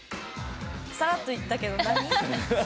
さらっと言ったけど何？